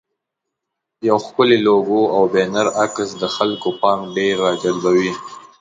یو ښکلی لوګو او بنر عکس د خلکو پام ډېر راجلبوي.